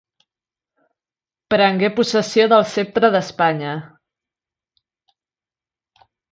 Prengué possessió del ceptre d'Espanya.